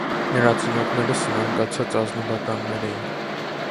Նրա ծնողները սնանկացած ազնվականներ էին։